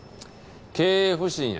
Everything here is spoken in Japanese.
経営不振や。